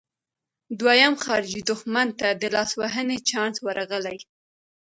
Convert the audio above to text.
دویم خارجي دښمن ته د لاسوهنې چانس ورغلی.